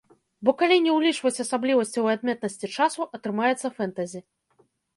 Бо калі не ўлічваць асаблівасцяў і адметнасці часу, атрымаецца фэнтэзі.